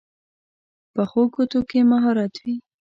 پخو ګوتو کې مهارت وي